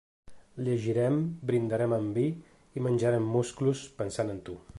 Llegirem, brindarem amb vi i menjarem musclos pensant en tu.